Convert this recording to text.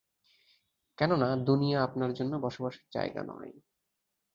কেননা, দুনিয়া আপনার জন্যে বসবাসের জায়গা নয়।